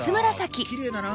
きれいだな。